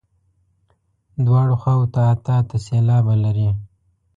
دواړو خواوو ته اته اته سېلابه لري.